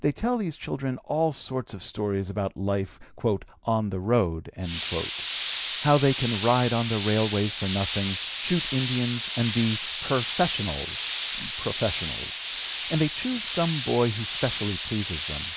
They tell these children all sorts of stories about life "on the road," how they can ride on the railways for nothing, shoot Indians, and be "perfeshunnels" (professionals), and they choose some boy who specially pleases them.